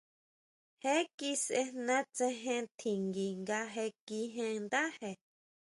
Je kisʼejna tsejen tjingui nga je kíjen ndáje.